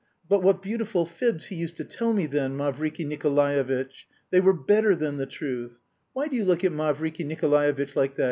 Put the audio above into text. But what beautiful fibs he used to tell me then, Mavriky Nikolaevitch! They were better than the truth. Why do you look at Mavriky Nikolaevitch like that?